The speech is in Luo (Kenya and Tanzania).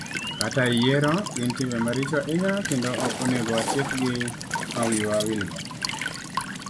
kata e yiero, gin timbe maricho ahinya kendo ok onego watiekgi ma wiwa wilgo.